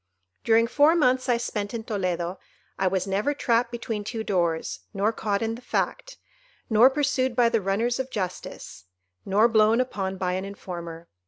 "During four months I spent in Toledo, I was never trapped between two doors, nor caught in the fact, nor pursued by the runners of justice, nor blown upon by an informer.